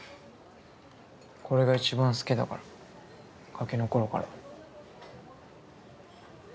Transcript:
これが一番好きだからガキの頃から。